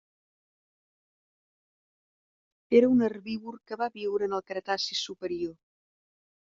Era un herbívor que va viure en el Cretaci superior.